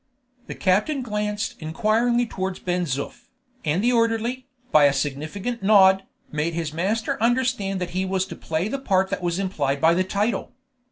The captain glanced inquiringly towards Ben Zoof, and the orderly, by a significant nod, made his master understand that he was to play the part that was implied by the title.